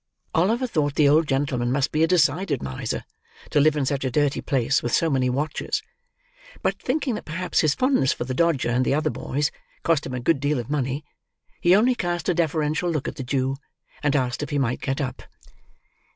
Oliver thought the old gentleman must be a decided miser to live in such a dirty place, with so many watches; but, thinking that perhaps his fondness for the Dodger and the other boys, cost him a good deal of money, he only cast a deferential look at the Jew, and asked if he might get up.